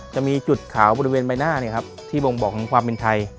จะมีจุดขาวบริเวณใบหน้าที่บ่งบอกถึงความเป็นไทย